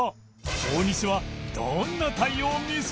大西はどんな対応を見せるのか？